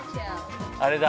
あれだ。